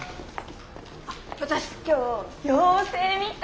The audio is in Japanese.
あっ私今日妖精見た！